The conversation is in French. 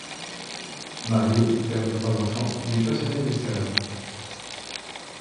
Marié, père de trois enfants, il est passionné d'escalade.